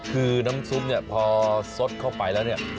คือน้ำซุปเนี่ยพอสดเข้าไปแล้วเนี่ย